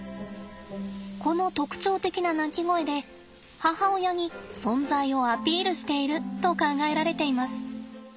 この特徴的な鳴き声で母親に存在をアピールしていると考えられています。